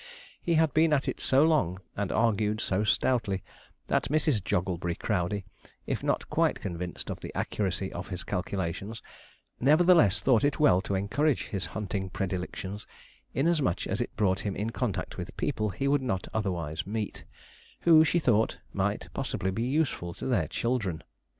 He had been at it so long, and argued so stoutly, that Mrs. Jogglebury Crowdey, if not quite convinced of the accuracy of his calculations, nevertheless thought it well to encourage his hunting predilections, inasmuch as it brought him in contact with people he would not otherwise meet, who, she thought, might possibly be useful to their children.